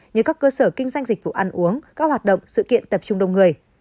như các cơ sở kinh doanh dịch vụ ăn uống các hoạt động sự kiện tập trung đông người